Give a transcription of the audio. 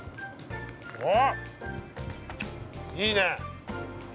◆おっ、いいね！